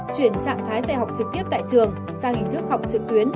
chuyển trạng thái dạy học trực tiếp tại trường sang hình thức học trực tuyến